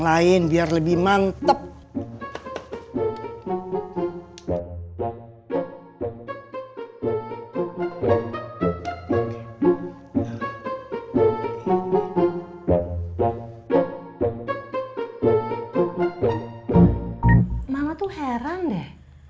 mama tuh heran deh